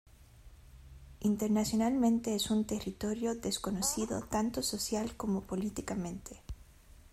Internacionalmente es un territorio desconocido tanto social como políticamente.